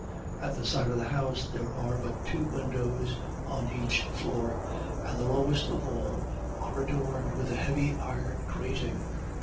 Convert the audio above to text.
At the side of the house there are but two windows on each floor, and the lowest of all are adorned with a heavy iron grating.